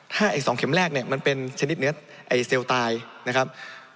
ถ้าไอ้๒เข็มแรกเนี่ยมันเป็นชนิดเนื้อเซลล์ตายนะครับ